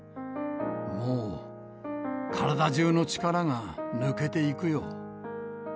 もう、体中の力が抜けていくよ。